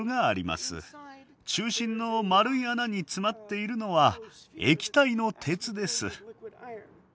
中心の丸い穴に詰まっているのは液体の鉄です。